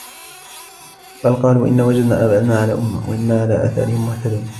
بَلْ قَالُوا إِنَّا وَجَدْنَا آبَاءَنَا عَلَى أُمَّةٍ وَإِنَّا عَلَى آثَارِهِمْ مُهْتَدُونَ